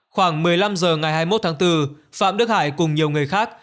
khoảng một mươi năm h ngày hai mươi một tháng bốn phạm đức hải cùng nhiều người khác